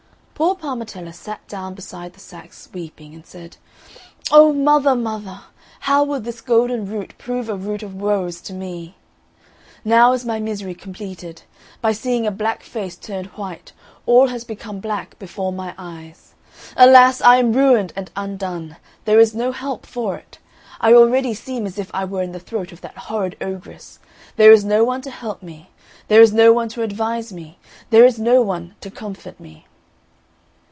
Poor Parmetella sat down beside the sacks, weeping, and said, "O mother, mother, how will this golden root prove a root of woes to me! Now is my misery completed; by seeing a black face turned white, all has become black before my eyes. Alas! I am ruined and undone there is no help for it. I already seem as if I were in the throat of that horrid ogress; there is no one to help me, there is no one to advise me, there is no one to comfort me!"